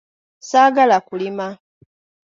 Saagala kulima.